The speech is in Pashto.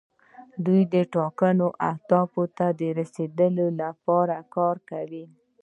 دوی ټاکلو اهدافو ته د رسیدو لپاره کار کوي.